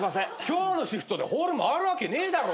今日のシフトでホール回るわけねえだろ！